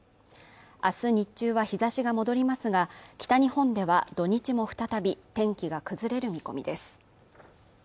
明日日中は日差しが戻りますが北日本では土日も再び天気が崩れる見込みです